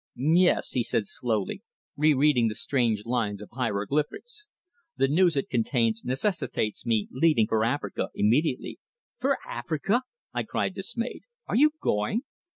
"Yes," he said slowly, re reading the strange lines of hieroglyphics. "The news it contains necessitates me leaving for Africa immediately." "For Africa!" I cried dismayed. "Are you going?"